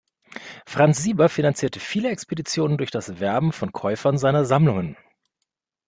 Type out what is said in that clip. Franz Sieber finanzierte viele Expeditionen durch das Werben von Käufern seiner Sammlungen.